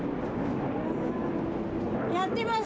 やってます！